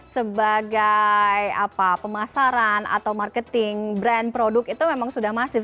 sebagai pemasaran atau marketing brand produk itu memang sudah masif